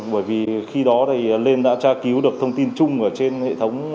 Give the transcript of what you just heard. bởi vì khi đó thì lên đã tra cứu được thông tin chung trên hệ thống